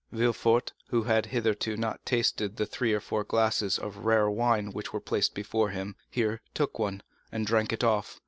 Villefort, who had hitherto not tasted the three or four glasses of rare wine which were placed before him, here took one, and drank it off.